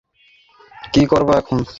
কী করবা এখন?